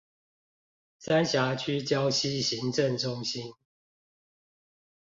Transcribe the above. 三峽區礁溪行政中心